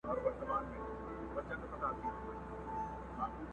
اې په خوب ویده ماشومه!؟!!